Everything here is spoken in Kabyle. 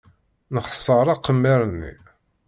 Nexṣer aqemmer-nni.